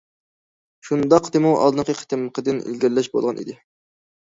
شۇنداقتىمۇ ئالدىنقى قېتىمقىدىن ئىلگىرىلەش بولغان ئىدى.